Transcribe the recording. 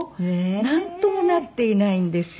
なんともなっていないんですよ。